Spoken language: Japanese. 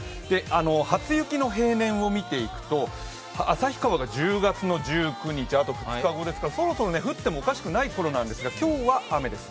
初雪の平年を見ていくと、旭川が１０月１９日あと２日後ですからそろそろ降ってもおかしくない頃なんですが今日は雨です。